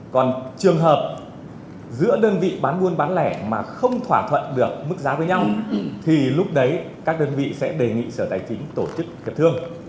còn trường hợp giữa đơn vị bán buôn bán lẻ mà không thỏa thuận được mức giá với nhau thì lúc đấy các đơn vị sẽ đề nghị sở tài chính tổ chức hiệp thương